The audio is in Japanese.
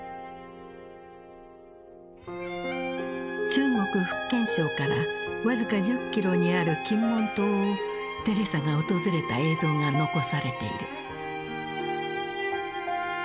中国・福建省から僅か１０キロにある金門島をテレサが訪れた映像が残されている。